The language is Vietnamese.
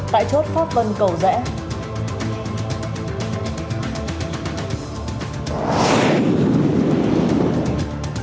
tại chốt pháp vân cầu dẽ